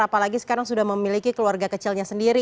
apalagi sekarang sudah memiliki keluarga kecilnya sendiri